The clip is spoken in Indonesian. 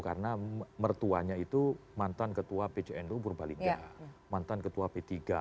karena mertuanya itu mantan ketua pcnu purbalingga mantan ketua p tiga